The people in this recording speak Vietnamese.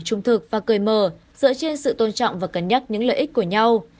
trung thực và cười mờ dựa trên sự tôn trọng và cấn nhắc những lợi ích của nhau